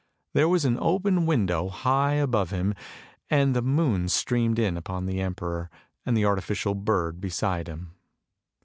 There was an open window high above him, and the moon streamed in upon the emperor, and the artificial bird beside him.